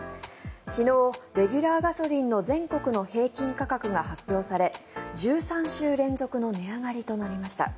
昨日、レギュラーガソリンの全国の平均価格が発表され１３週連続の値上がりとなりました。